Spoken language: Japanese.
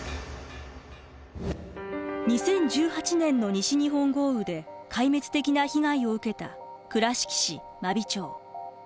２０１８年の西日本豪雨で壊滅的な被害を受けた倉敷市真備町。